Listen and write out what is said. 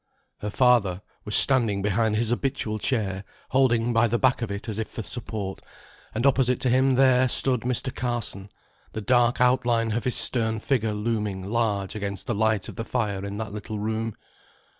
Her father was standing behind his habitual chair, holding by the back of it as if for support. And opposite to him there stood Mr. Carson; the dark out line of his stern figure looming large against the light of the fire in that little room.